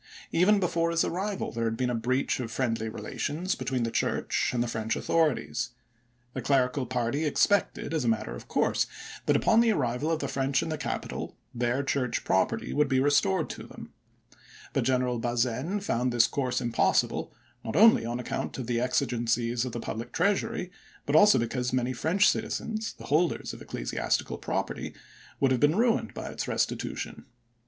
Even before his arrival there had been a breach of friendly relations between the Church and the French authorities. The clerical party expected, as a matter of course, that, upon the arrival of the French in the capital, their church property would be restored to them; but General Bazaine found this course impossible, not only on account of the exigencies of the public treasury, but also because many French citizens, the holders of ecclesiastical property, would have been ruined by its restitution.